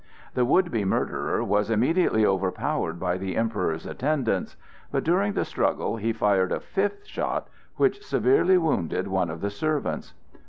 The would be murderer was immediately overpowered by the Emperor's attendants; but during the struggle he fired a fifth shot which severely wounded one of the servants.